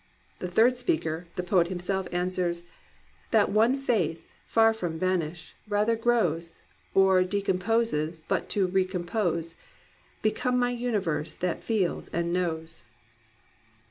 The third speaker, the poet himself, answers: "That one Face, far from vanish, rather grows, Or decomposes but to recompose Become my universe that feels and knows